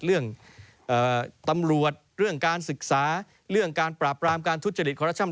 เรื่องตำรวจเรื่องการศึกษาเรื่องการปราบปรามการทุจริตคอรัปชั่น